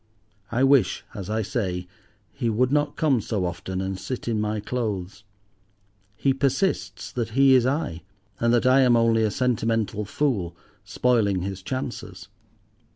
I wish, as I say, he would not come so often and sit in my clothes. He persists that he is I, and that I am only a sentimental fool, spoiling his chances.